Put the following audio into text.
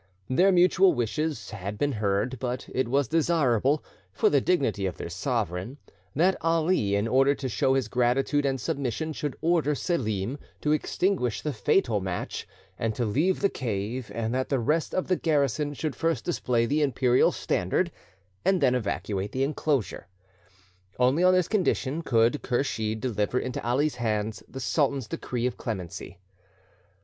Their mutual wishes had been heard, but it was desirable, for the dignity of their sovereign, that Ali, in order to show his gratitude and submission, should order Selim to extinguish the fatal match and to leave the cave, and that the rest of the garrison should first display the Imperial standard and then evacuate the enclosure. Only on this condition could Kursheed deliver into Ali's hands the sultan's decree of clemency.